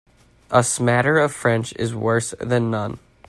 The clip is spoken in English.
A smatter of French is worse than none.